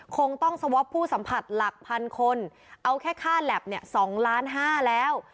คงต้องสวอปผู้สัมผัสหลักพันคนเอาแค่ค่าแล็บเนี่ย๒ล้านห้าแล้ว